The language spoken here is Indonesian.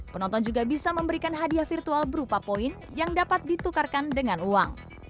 penonton juga bisa memberikan hadiah virtual berupa poin yang dapat ditukarkan dengan uang